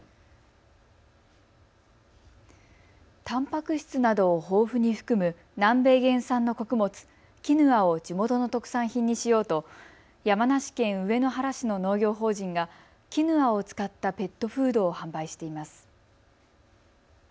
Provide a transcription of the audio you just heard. たんぱく質などを豊富に含む南米原産の穀物、キヌアを地元の特産品にしようと山梨県上野原市の農業法人がキヌアを使ったペットフードを販売しています。